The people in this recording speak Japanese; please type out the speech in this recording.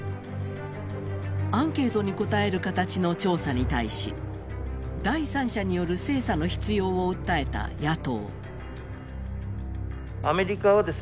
アンケートに答える形の調査に対し、第三者による精査の必要を訴えた野党。